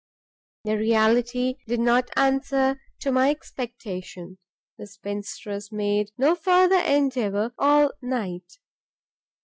The reality did not answer to my expectation. The spinstress made no further endeavour all night.